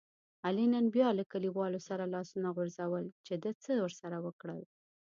علي نن بیا له کلیوالو سره لاسونه غورځول چې ده څه ورسره وکړل.